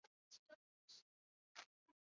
关系是什么？